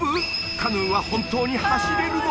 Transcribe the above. カヌーは本当に走れるの？